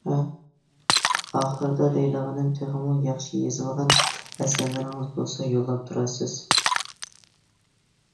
ئاخىرىدا دەيدىغىنىم تېخىمۇ ياخشى يېزىلغان ئەسەرلىرىڭىز بولسا يوللاپ تۇرارسىز.